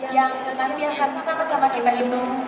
yang menandikan sama sama kita itu